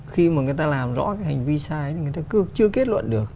khi mà người ta làm rõ cái hành vi sai ấy người ta cứ chưa kết luận được